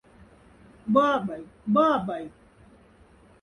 Бабай, бабай!